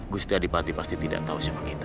gusti adipati pasti tidak tahu sama kita